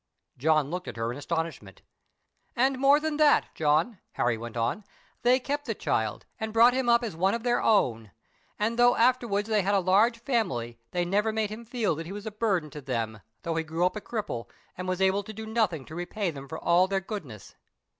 John looked at her in astonishment. "And more than that, John," Harry went on; "they kept the child, and brought him up as one of their own; and though afterwards they had a large family, they never made him feel that he was a burden to them, though he grew up a cripple, and was able to do nothing to repay them for all their goodness.